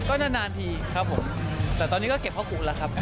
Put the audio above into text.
ก็นานทีครับผมแต่ตอนนี้ก็เก็บเพราะกลุ่นละครับ